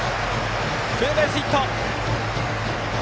ツーベースヒット！